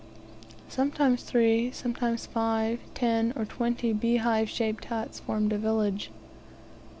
Sometimes three, sometimes five, ten, or twenty beehive shaped huts formed a village.